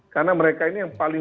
karena mereka ini yang paling